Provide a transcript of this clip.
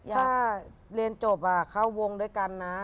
ถ้าเรียนจบเข้าวงด้วยกันนะ